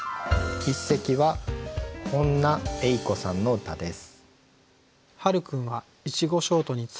一席は本那榮子さんの歌です。